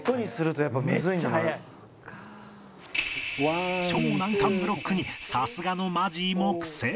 めっちゃ速い」超難関ブロックにさすがのマジーも苦戦